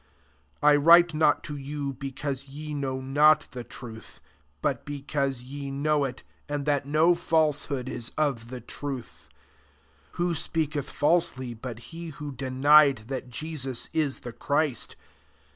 ^ 21 I write not to you because ye know not the truth: but be cause ye know it, and that no falsehood is of the truth. 22 Who speaketh falsely, but he who denied that Jesus is the Christ